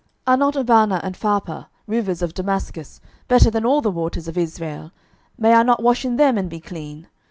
12:005:012 Are not Abana and Pharpar, rivers of Damascus, better than all the waters of Israel? may I not wash in them, and be clean?